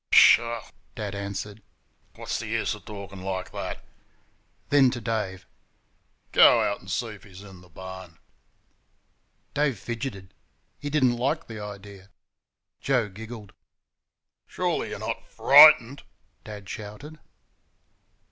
"Pshaw!" Dad answered; "what's the use of talking like that?" Then to Dave: "Go out and see if he's in the barn!" Dave fidgetted. He did n't like the idea. Joe giggled. "Surely you're not FRIGHTENED?" Dad shouted.